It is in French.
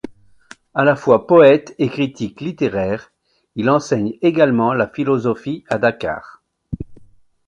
À la fois poète et critique littéraire, il enseigne également la philosophie à Dakar.